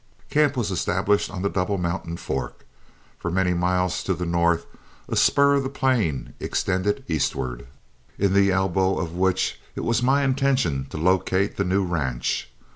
Camp was established on the Double Mountain Fork. Many miles to the north, a spur of the Plain extended eastward, in the elbow of which it was my intention to locate the new ranch.